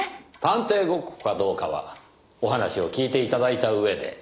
探偵ごっこかどうかはお話を聞いて頂いた上で。